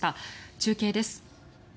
中継です。